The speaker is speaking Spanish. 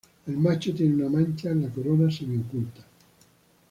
El macho tiene una mancha en la corona semi-oculta.